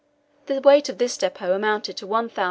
The weight of this depot amounted to 1,366 pounds.